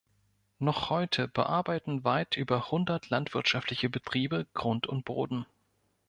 Noch heute bearbeiten weit über hundert landwirtschaftliche Betriebe Grund und Boden.